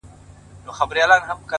لونگيه دا خبره دې سهې ده ـ